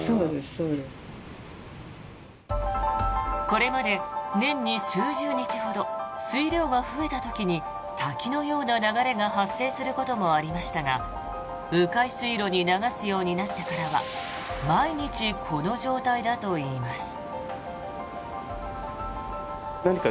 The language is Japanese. これまで年に数十日ほど水量が増えた時に滝のような流れが発生することもありましたが迂回水路に流すようになってからは毎日この状態だといいます。